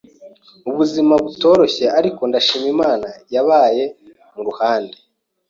ubuzima butoroshye ariko ndashima Imana yabaye mu ruhande